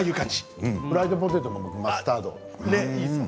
フライドポテトもマスタード。